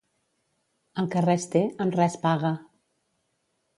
El que res té, amb res paga.